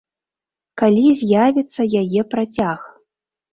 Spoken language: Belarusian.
Калі з'явіцца яе працяг?